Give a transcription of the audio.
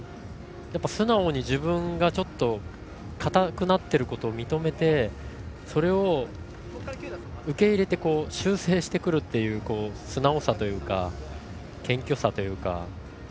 素直に自分がちょっと硬くなっていることを認めてそれを受け入れて修正してくるという素直さというか謙虚さというか。